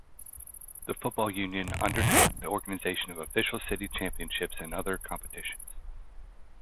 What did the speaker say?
The Football Union undertook the organization of official city championships and other competitions.